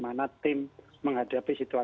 ya tadi mau nggak bisa bayar